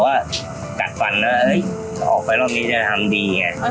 เราอะกัดฝันแล้วเอ้ยออกไปตรงนี้จะทำดีไง